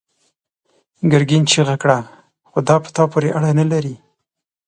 ګرګين چيغه کړه: خو دا په تا پورې اړه نه لري!